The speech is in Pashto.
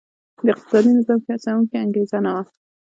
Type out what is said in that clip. د اقتصادي نظام کې هڅوونکې انګېزه نه وه.